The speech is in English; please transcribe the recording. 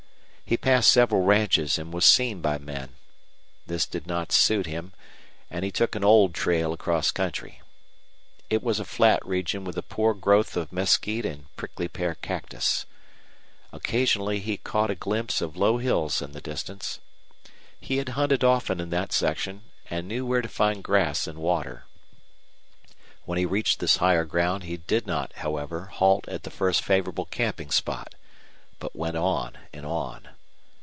He passed several ranches and was seen by men. This did not suit him, and he took an old trail across country. It was a flat region with a poor growth of mesquite and prickly pear cactus. Occasionally he caught a glimpse of low hills in the distance. He had hunted often in that section, and knew where to find grass and water. When he reached this higher ground he did not, however, halt at the first favorable camping spot, but went on and on.